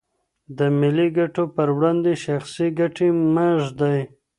د ملي ګټو پر وړاندې شخصي ګټې مه ږدئ.